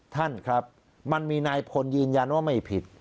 ท่านครับมันมีนายพลยืนยันว่าไม่ผิด